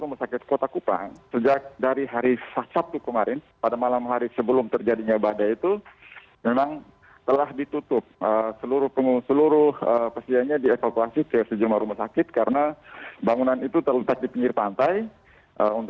masih belum terangkat